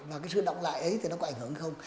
và cái sự động lại ấy thì nó có ảnh hưởng hay không